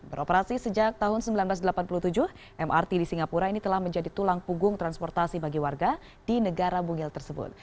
beroperasi sejak tahun seribu sembilan ratus delapan puluh tujuh mrt di singapura ini telah menjadi tulang punggung transportasi bagi warga di negara bungil tersebut